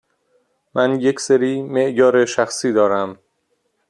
من یکسری معیار شخصی دارم.